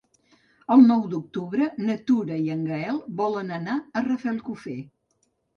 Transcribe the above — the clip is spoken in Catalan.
El nou d'octubre na Tura i en Gaël volen anar a Rafelcofer.